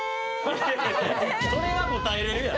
それは答えれるやろ。